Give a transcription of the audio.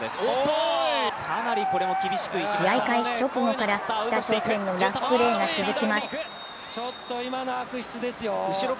試合開始直後から北朝鮮のラフプレーが続きます。